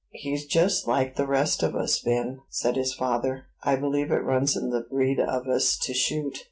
"He's just like the rest of us, Ben," said his father: "I believe it runs in the breed of us to shoot."